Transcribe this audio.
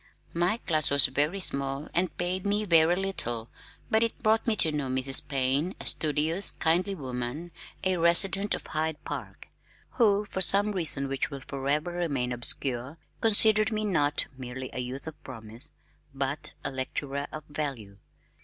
My class was very small and paid me very little but it brought me to know Mrs. Payne, a studious, kindly woman (a resident of Hyde Park), who for some reason which will forever remain obscure, considered me not merely a youth of promise, but a lecturer of value.